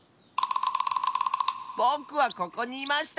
ぼくはここにいました！